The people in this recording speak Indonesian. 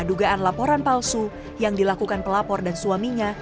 dugaan laporan palsu yang dilakukan pelapor dan suaminya